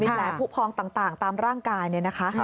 แผลผู้พองต่างตามร่างกายเนี่ยนะคะ